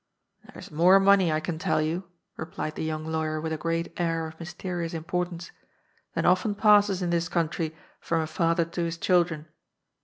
" There is more money, I can tell you," replied the young lawyer with a great air of mysterious importance, 'Hhan often passes in this country from a father to his children.